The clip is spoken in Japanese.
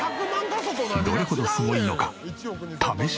どれほどすごいのか試し撮り。